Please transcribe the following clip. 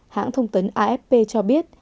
hãng thông tấn afp cho biết